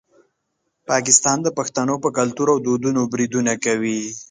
پاکستان د پښتنو په کلتور او دودونو بریدونه کوي.